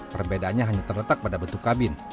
perbedaannya hanya terletak pada bentuk kabin